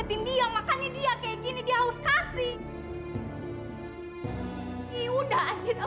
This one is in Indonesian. tuh kan kamu lihat sendiri kalau dia udah sadar